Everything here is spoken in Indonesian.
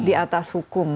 di atas hukum